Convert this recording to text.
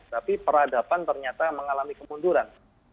tapi peradaban ternyata mengalami kemunduran